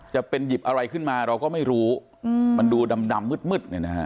จะเป็นหยิบอะไรขึ้นมาเราก็ไม่รู้มันดูดำมืดเนี่ยนะฮะ